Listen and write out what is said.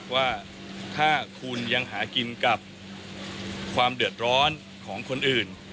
ว่าถ้าคุณยังหากินกับความเดือดร้อนของคนอื่น